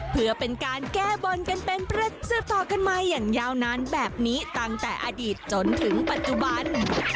เพื่อเป็นการแก้บนกันเป็นประจำต่อกันมาอย่างยาวนานแบบนี้ตั้งแต่อดีตจนถึงปัจจุบัน